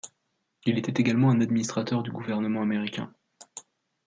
Il était également un administrateur du gouvernement américain.